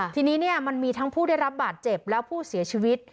ทีนี้มันมีทั้งผู้ได้รับบาดเจ็บและผู้เสียชีวิต